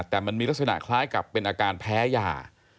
แต่มันมีลักษณะคล้ายกับเป็นอาการแพ้ยา